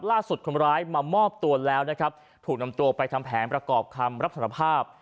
ล่าสุดคนร้ายมามอบตัวแล้วนะครับถูกนำตัวไปทำแผนประกอบคำรับสารภาพ